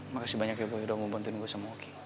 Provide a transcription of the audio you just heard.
makasih banyak ya boy udah membantuin gue sama oki